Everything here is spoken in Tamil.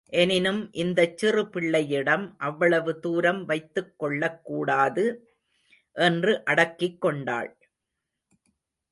எனினும் இந்தச் சிறு பிள்ளையிடம் அவ்வளவு தூரம் வைத்துக் கொள்ளக் கூடாது என்று அடக்கிக் கொண்டாள்.